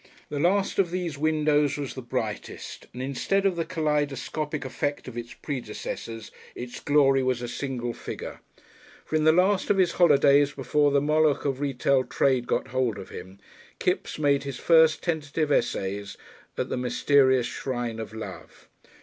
The last of these windows was the brightest, and instead of the kaleidoscopic effects of its predecessors its glory was a single figure. For in the last of his holidays, before the Moloch of Retail Trade got hold of him, Kipps made his first tentative essays at the mysterious shrine of Love.